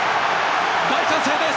大歓声です。